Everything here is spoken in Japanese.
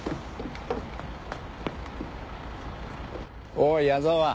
おい矢沢